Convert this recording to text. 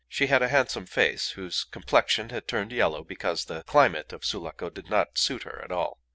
She had a handsome face, whose complexion had turned yellow because the climate of Sulaco did not suit her at all.